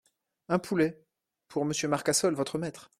Un poulet… pour Monsieur Marcassol, votre maître !